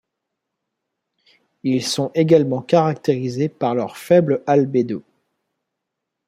Ils sont également caractérisés par leur faible albédo.